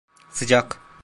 Sıcak.